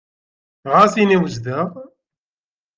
Ɣas ini wejdeɣ.